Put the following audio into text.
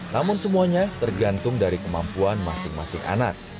namun semuanya tergantung dari kemampuan masing masing anak